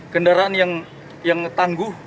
kendaraan yang tangguh